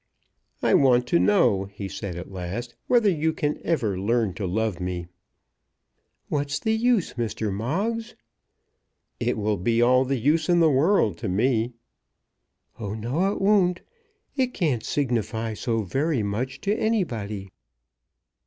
"I want to know," he said, at last, "whether you can ever learn to love me." "What's the use, Mr. Moggs?" "It will be all the use in the world to me." "Oh, no it won't. It can't signify so very much to anybody."